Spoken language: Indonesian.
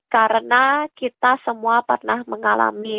karena kita semua pernah mengalami